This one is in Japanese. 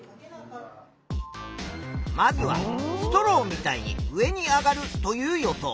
まずは「ストローみたいに上に上がる」という予想。